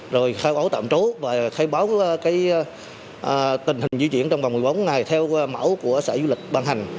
rồi khai báo tạm trú và khai báo tình hình di chuyển trong vòng một mươi bốn ngày theo mẫu của sở du lịch ban hành